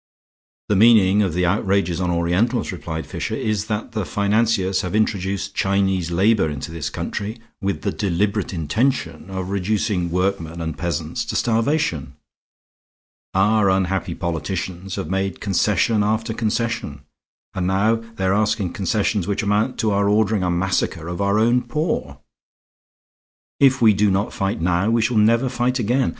"The meaning of the outrages on Orientals," replied Fisher, "is that the financiers have introduced Chinese labor into this country with the deliberate intention of reducing workmen and peasants to starvation. Our unhappy politicians have made concession after concession; and now they are asking concessions which amount to our ordering a massacre of our own poor. If we do not fight now we shall never fight again.